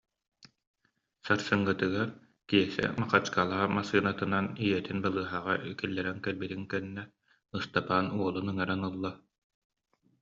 Сарсыҥҥытыгар Киэсэ Махачкала массыынатынан ийэтин балыыһаҕа киллэрэн кэлбитин кэннэ, Ыстапаан уолун ыҥыран ылла